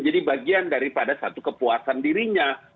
bagian daripada satu kepuasan dirinya